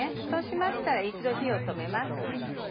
そうしましたら一度火を止めます。